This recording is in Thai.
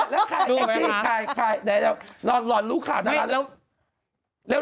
แล้วค่ะรอดลูกขาดหน่อยเถอะแล้ว